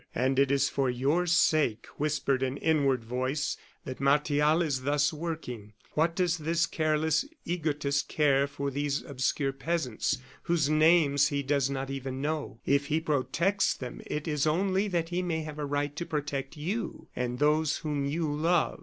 "And it is for your sake," whispered an inward voice, "that Martial is thus working. What does this careless egotist care for these obscure peasants, whose names he does not even know? If he protects them, it is only that he may have a right to protect you, and those whom you love!"